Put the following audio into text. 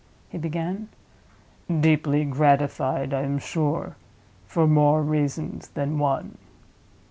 he began. "Deeply gratified, I am sure—for more reasons than one."